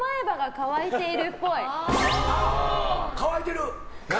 乾いてる！